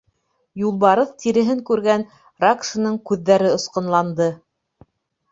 Юлбарыҫ тиреһен күргән Ракшаның күҙҙәре осҡонланды.